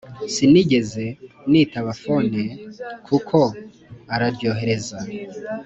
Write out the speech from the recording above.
Sinigeze nitaba fone kuko araryohereza